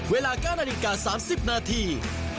เวลา๙นาฬิกา๓๐นาที